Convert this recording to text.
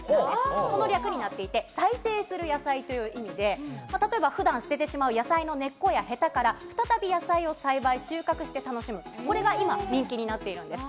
この略になっていて、再生する野菜という意味で、例えばふだん、捨ててしまう野菜の根っこやへたから、再び野菜を栽培、収穫して楽しむ、これが今、人気になっているんです。